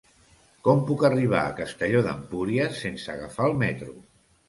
Com puc arribar a Castelló d'Empúries sense agafar el metro?